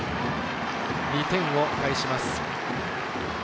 ２点を返します。